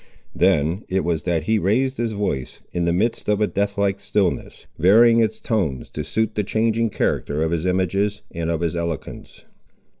Then it was that he raised his voice, in the midst of a death like stillness, varying its tones to suit the changing character of his images, and of his eloquence.